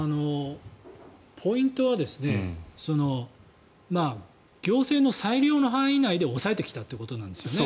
ポイントは行政の裁量の範囲内で抑えてきたということなんですよね